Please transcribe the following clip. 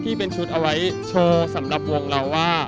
ที่เป็นชุดเอาไว้โชว์สำหรับวงเราว่า